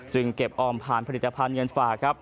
จึงเก็บออมผ่านผลิตภัณฑ์เงินฝาก